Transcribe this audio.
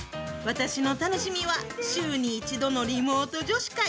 私の楽しみは、週に１度のリモート女子会。